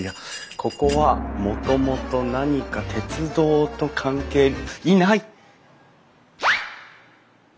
ここはもともと何か鉄道と関係がいない！